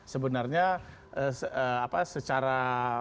sebenarnya apa secara